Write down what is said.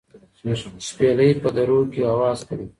شپېلۍ په درو کې اواز کوي.